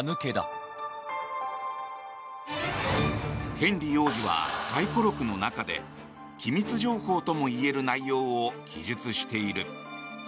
ヘンリー王子は回顧録の中で機密情報ともいえる内容を記述している。